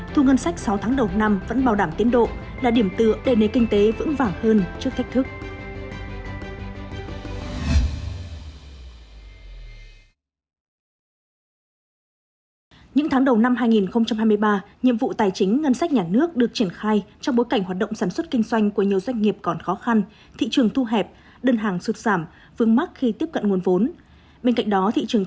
thu ngân sách sáu tháng đầu năm vẫn bảo đảm tiến độ là điểm tựa để nền kinh tế vững vàng hơn trước thách thức